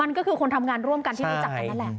มันก็คือคนทำงานร่วมกันที่รู้จักกันนั่นแหละ